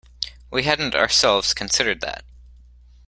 We hadn't, ourselves, considered that.